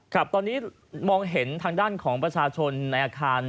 ครับตอนนี้มองเห็นทางด้านของประชาชนในอาคาร